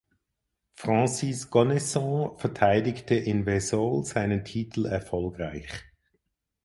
Francis Connesson verteidigte in Vesoul seinen Titel erfolgreich.